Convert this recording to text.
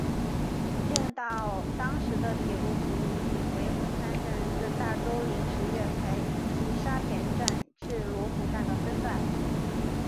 令到当时的铁路服务仅为红磡站至大围临时月台及沙田站至罗湖站的分段服务。